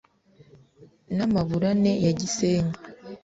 na maburane ya giseke